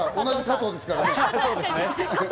同じ加藤ですからね。